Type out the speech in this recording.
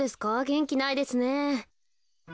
げんきないですね。